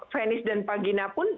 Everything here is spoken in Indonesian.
penis dan vagina pun